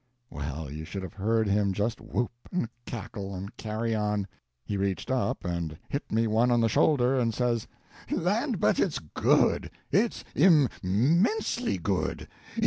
Well, you should have heard him just whoop, and cackle, and carry on! He reached up and hit me one on the shoulder, and says: "Land, but it's good! It's im mensely good!